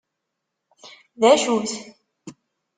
D acu-t?